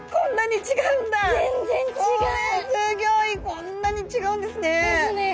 こんなに違うんですね。ですね。